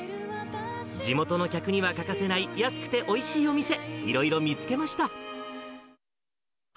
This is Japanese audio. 地元の客には欠かせない、安くておいしいお店、いろいろ見つけました。